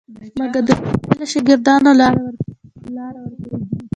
مګر د ښوونځیو له شاګردانو لاره ورکوي.